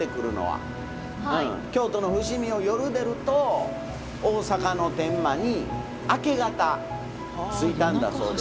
京都の伏見を夜出ると大阪の天満に明け方着いたんだそうです。